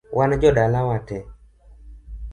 Wan jodala watee